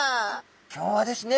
今日はですね